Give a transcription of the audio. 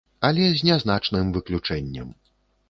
Але з нязначным выключэннем.